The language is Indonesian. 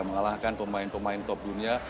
mengalahkan pemain pemain top dunia